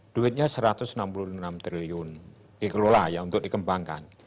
duitnya satu ratus enam puluh enam triliun dikelola ya untuk dikembangkan